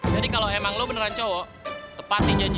jadi kalo emang lu beneran cowok tepatin janji lu